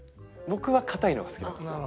僕は硬いのが好きなんですよ。